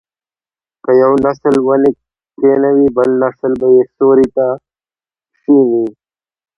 که یو نسل ونې کینوي بل نسل به یې سیوري ته کیني.